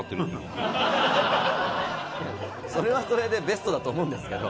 それはそれでベストだと思うんですけど。